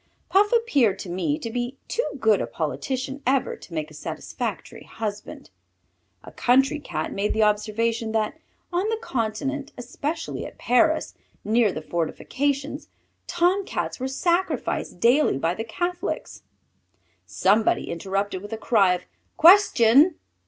Puff appeared to me to be too good a politician ever to make a satisfactory husband. A country Cat made the observation that on the continent, especially at Paris, near the fortifications, Tom Cats were sacrificed daily by the Catholics. Somebody interrupted with the cry of "Question!"